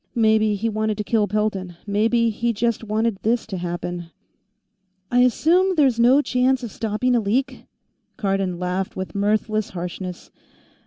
Maybe he wanted to kill Pelton; maybe he just wanted this to happen." "I assume there's no chance of stopping a leak?" Cardon laughed with mirthless harshness.